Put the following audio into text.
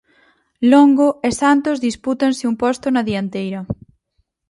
Longo e Santos dispútanse un posto na dianteira.